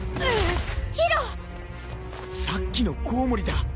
さっきのコウモリだ。